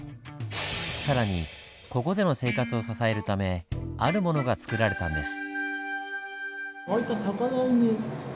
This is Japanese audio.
更にここでの生活を支えるためあるものがつくられたんです。